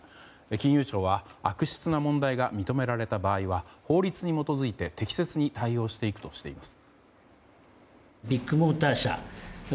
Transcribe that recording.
金融庁は悪質な問題が認められた場合は法律に基づいて適切に対応していくとしています。